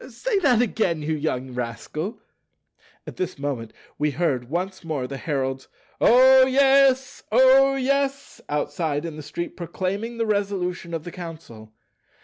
Say that again, you young rascal." At this moment we heard once more the herald's "O yes! O yes!" outside in the street proclaiming the Resolution of the Council.